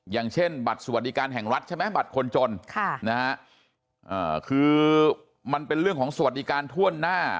อย่างเช่นบัตรสวัสดิการแห่งรัฐใช่ไหมบัตรคนจนคือมันเป็นเรื่องของสวัสดิการถ้วนหน้า